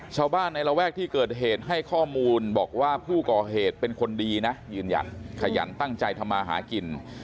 ชาวบ้านในระแวกที่เกิดเหตุให้ข้อมูลบอกว่าผู้ก่อเหตุเป็นคนดีนะยืนยันขยันตั้งใจทำมาหากิน